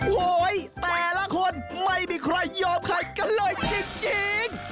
โหแต่ละคนไม่มีใครยอมกาต้องกินเลยจริง